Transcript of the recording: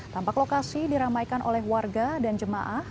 tampak lokasi diramaikan oleh warga dan jemaah